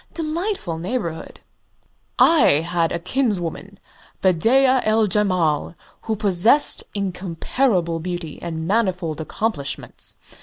"Delightful neighbourhood." "I had a kinswoman, Bedeea el Jemal, who possessed incomparable beauty and manifold accomplishments.